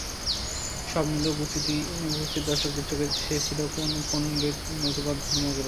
সব মিলিয়ে উপস্থিত দর্শকের চোখে সে ছিল কোন পণ্ডিত নতুবা ধর্মগুরু।